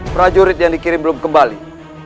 prajurit yang dikirim belum kembali